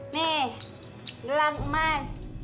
nih gelang emas